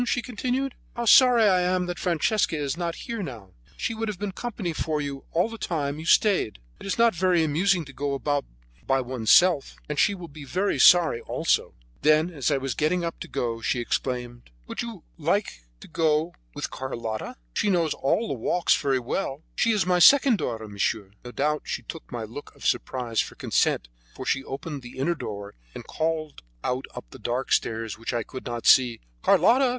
she continued. "How sorry I am that Francesca is not here now; she would have been company for you all the time you stayed. It is not very amusing to go about all by oneself, and she will be very sorry also." Then, as I was getting up to go, she exclaimed: "But would you not like Carlotta to go with you? She knows all the walks very well. She is my second daughter, monsieur." No doubt she took my look of surprise for consent, for she opened the inner door and called out up the dark stairs which I could not see: "Carlotta!